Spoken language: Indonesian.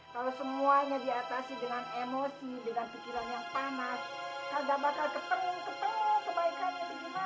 kalau semuanya diatasi dengan emosi dengan pikiran yang panas kagak bakal keperluan kebaikannya